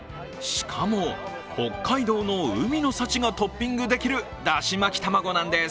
しかも、北海道の海の幸がトッピングできるだし巻き卵なんです。